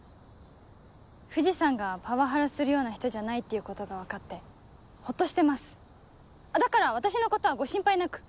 藤さんがパワハラするような人じゃないっていうことが分かってホッとしてますだから私のことはご心配なく。